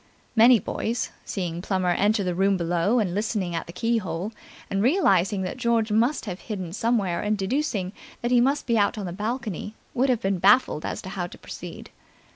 Many boys, seeing Plummer enter the room below and listening at the keyhole and realizing that George must have hidden somewhere and deducing that he must be out on the balcony, would have been baffled as to how to proceed.